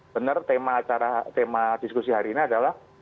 benar tema diskusi hari ini adalah